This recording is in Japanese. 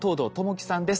紀さんです。